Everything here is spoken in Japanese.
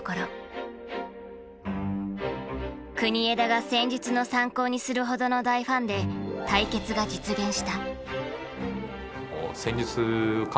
国枝が戦術の参考にするほどの大ファンで対決が実現した。